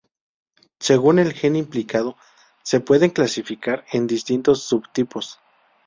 Según el gen implicado, se puede clasificar en distintos subtipos.